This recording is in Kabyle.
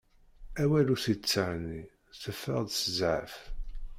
Awal ur t-id-terni, teffeɣ s zɛaf.